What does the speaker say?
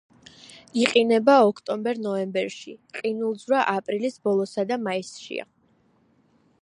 იყინება ოქტომბერ-ნოემბერში, ყინულძვრა აპრილის ბოლოსა და მაისშია.